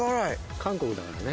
韓国だからね。